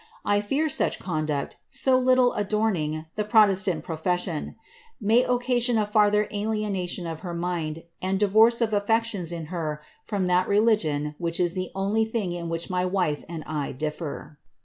I fear such conduct (so little idoming the protestant profession) may occasion a farther alienation of her mind, and divorce of affection in her from that religion which is the only thing in which my wife and I difier."